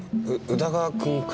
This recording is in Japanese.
宇田川君？